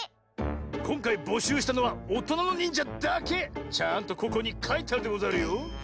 こんかいぼしゅうしたのはおとなのにんじゃだけ！ちゃんとここにかいてあるでござるよ。